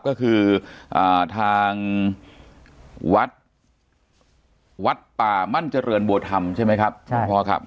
ก็คือทางวัดวัดป่ามั่นเจริญบัวธรรมใช่ไหมครับคุณพ่อครับ